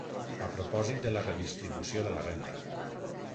A propòsit de la redistribució de la renda.